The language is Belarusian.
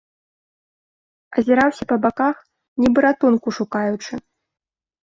Азіраўся па баках, нібы ратунку шукаючы.